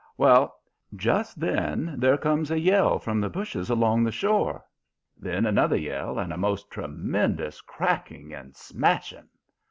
"Well, just then there comes a yell from the bushes along the shore. Then another yell and a most tremendous cracking and smashing.